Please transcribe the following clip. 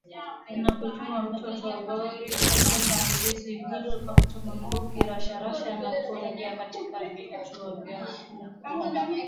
Na kuchoma moto malori sita katika shambulizi hilo kwa kutumia bunduki za rashasha na kurejea katika vituo vyao bila kuumia.